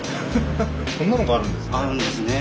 こんなのがあるんですね。